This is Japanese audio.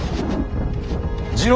次郎。